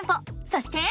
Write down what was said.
そして。